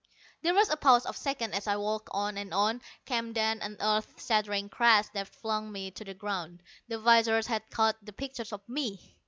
There was a pause of seconds as I walked on and on; came then an earth shattering crash that flung me to the ground. The visors had caught the picture of me!